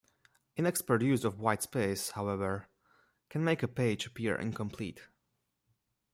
Inexpert use of white space, however, can make a page appear incomplete.